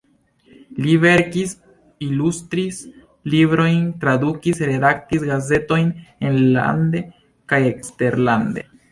Li verkis, ilustris librojn, tradukis, redaktis gazetojn enlande kaj eksterlande.